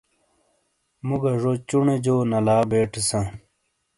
مُو گا ژو چُونے جو نالا بیٹے ساں۔